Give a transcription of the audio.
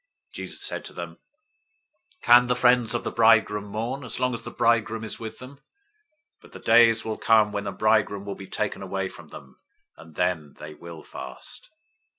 009:015 Jesus said to them, "Can the friends of the bridegroom mourn, as long as the bridegroom is with them? But the days will come when the bridegroom will be taken away from them, and then they will fast.